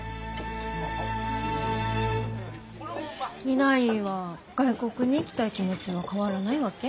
未来は外国に行きたい気持ちは変わらないわけ？